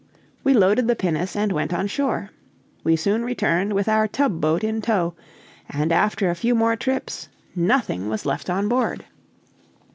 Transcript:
We loaded the pinnace and went on shore. We soon returned with our tub boat in tow, and after a few more trips nothing was left on board.